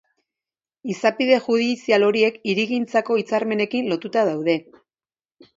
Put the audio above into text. Izapide judizial horiek hirigintzako hitzarmenekin lotuta daude.